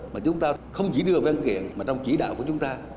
mà chúng ta không chỉ đưa vào văn kiện mà trong chỉ đạo của chúng ta